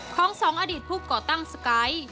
ของสองอดีตผู้เกาะตั้งสกัย